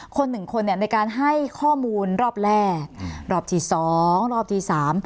คนหนึ่งคนเนี่ยในการให้ข้อมูลรอบแรกรอบที่สองรอบที่สาม